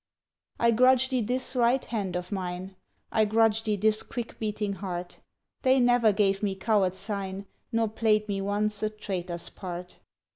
I grudge thee this right hand of mine; I grudge thee this quick beating heart; They never gave me coward sign, Nor played me once a traitor's part.